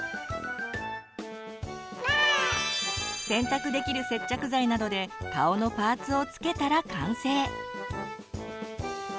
洗濯できる接着剤などで顔のパーツをつけたら完成。